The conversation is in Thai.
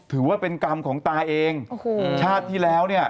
ถือว่าเป็นกรรมของตาเองโอ้โหชาติที่แล้วเนี่ย